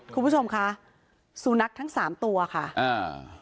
คุณผู้ชมคะสุนัขทั้งสามตัวค่ะอ่า